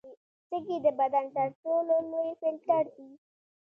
سږي د بدن تر ټولو لوی فلټر دي.